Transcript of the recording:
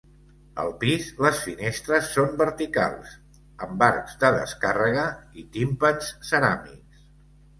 Al pis les finestres són verticals, amb arcs de descàrrega i timpans ceràmics.